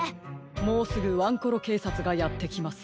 もうすぐワンコロけいさつがやってきます。